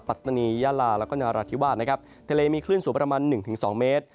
ปัตตานียาลาและก็นรฐิวาสนะครับทะเลมีคลื่นสูงประมาณ๑๒เมตร